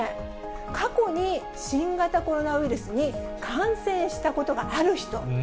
過去に新型コロナウイルスに感染したことがある人。